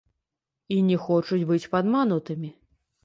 І не хочуць быць падманутымі.